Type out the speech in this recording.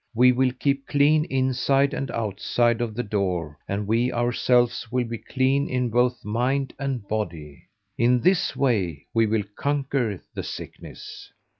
We will keep clean inside and outside of the door and we ourselves will be clean in both mind and body. In this way we will conquer the sickness."